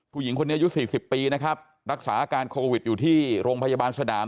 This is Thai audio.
ผู้หญิงคนนี้อายุ๔๐ปีนะครับรักษาอาการโควิดอยู่ที่โรงพยาบาลสนาม